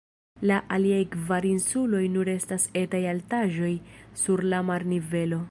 La aliaj kvar insuloj nur estas etaj altaĵoj sur la marnivelo.